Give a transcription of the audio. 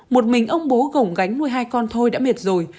một mình ông bố gổng gánh nuôi hai con thôi đã mệt rồi